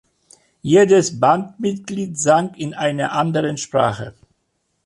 Jedes Bandmitglied sang in einer anderen Sprache.